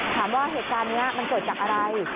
ถามว่าเหตุการณ์นี้มันเกิดจากอะไร